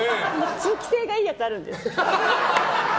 通気性がいいやつあるんです。